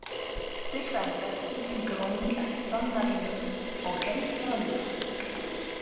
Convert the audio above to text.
Stephan Pastis grandit à San Marino en Californie.